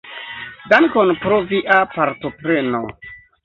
Dankon pro via partopreno.